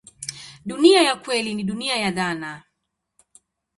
Dunia ya kweli ni dunia ya dhana.